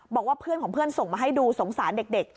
บอกว่าเพื่อนของเพื่อนส่งมาให้ดูสงสารเด็ก